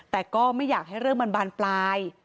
แต่ก็ไม่อยากให้เรื่องมันบานปลาย